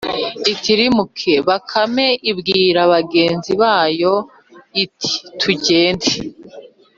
itirimuke, bakame ibwira bagenzi bayo iti « tujyende